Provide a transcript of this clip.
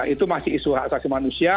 itu masih isu hak asasi manusia